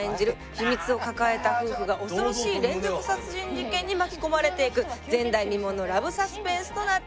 秘密を抱えた夫婦が恐ろしい連続殺人事件に巻き込まれていく前代未聞のラブサスペンスとなっております。